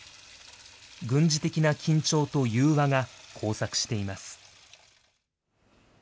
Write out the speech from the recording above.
軍事的な緊張と融和が交錯しています。